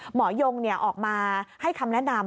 หมอยงนี่ออกมาให้คำแนะนำ